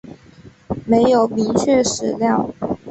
没有明确史料